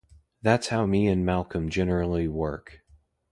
That's how me and Malcolm generally work.